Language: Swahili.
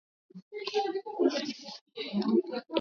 nikutakie kila la heri katika siku hii ya leo